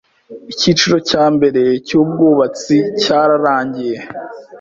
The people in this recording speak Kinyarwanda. Icyiciro cya mbere cyubwubatsi cyararangiye.